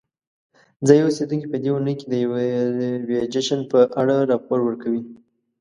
ځایی اوسیدونکي په دې اونۍ کې د یوې جشن په اړه راپور ورکوي.